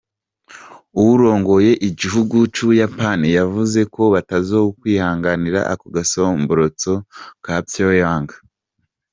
Uwurongoye igihugu c'Ubuyapani yavuze ko batazokwihanganira ako gasomborotso ka Pyongyang.